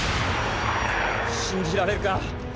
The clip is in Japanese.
信じられるか。